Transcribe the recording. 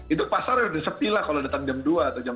itu pasar udah sepi lah kalau datang jam dua atau jam dua